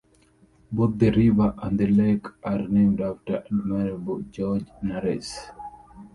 Both the river and the lake are named after Admiral George Nares.